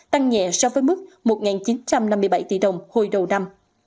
tăng nhẹ so với mức một chín trăm năm mươi bảy tỷ đồng hồi đầu năm